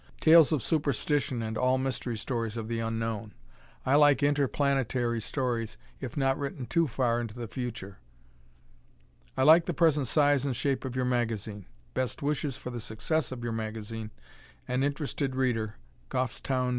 Tales of superstition and all mystery stories of the unknown. I like interplanetary stories, if not written too far into the future. I like the present size and shape of your magazine. Best wishes for the success of your magazine. An Interested Reader, Goffstown, N.